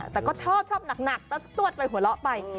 แต่ก็ชอบชอบหนักตวดไปหัวเราะไป